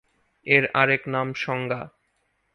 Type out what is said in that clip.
এর আরেক নাম সংজ্ঞা।